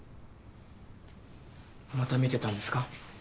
また見てたんですか？